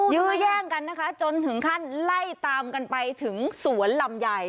ยื้อแย่งกันนะคะจนถึงขั้นไล่ตามกันไปถึงสวนลำไย